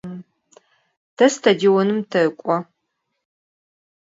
Te stadionım tek'o.